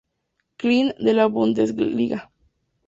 Clean' de la Bundesliga.